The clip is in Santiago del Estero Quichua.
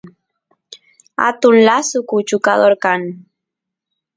atun lasu kuchukador kan